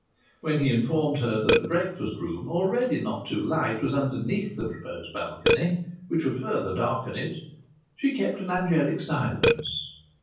When he informed her that the breakfast room, already not too light, was underneath the proposed balcony, which would further darken it, she kept an angelic silence.